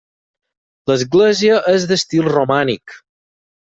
L'església és d'estil romànic.